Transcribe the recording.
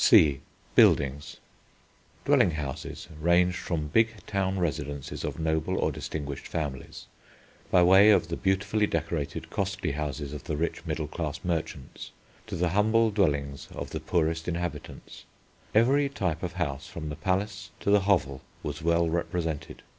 C. BUILDINGS [Illustration: COOKING WITH THE SPIT.] Dwelling houses ranged from big town residences of noble or distinguished families, by way of the beautifully decorated, costly houses of the rich middle class merchants, to the humble dwellings of the poorest inhabitants. Every type of house from the palace to the hovel was well represented.